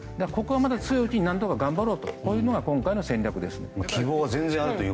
強いうちに何とか頑張ろうというのが今回の戦略です。